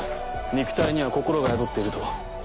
肉体には心が宿っていると。